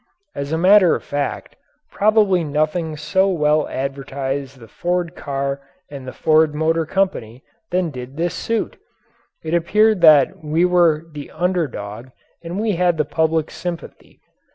As a matter of fact, probably nothing so well advertised the Ford car and the Ford Motor Company as did this suit. It appeared that we were the under dog and we had the public's sympathy.